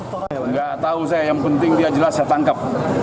tidak tahu saya yang penting dia jelas saya tangkap